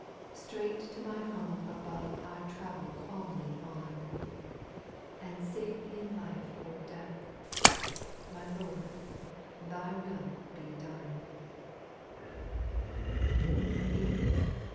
Straight to my home above I travel calmly on. And sing in life or death — My Lord, Thy will be done I B.